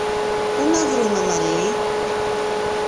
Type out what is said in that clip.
Πού να βρούμε μαλλί;